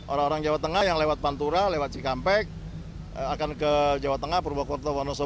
orang orang jawa tengah yang lewat pantura lewat cikampek akan ke jawa tengah purwokerto wonoso